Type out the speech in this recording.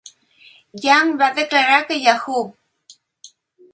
Yang va declarar que Yahoo!